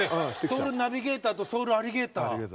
ソウルナビゲーターとソウルアリゲーター。